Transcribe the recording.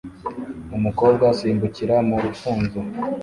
umukobwa asimbukira mu rufunzo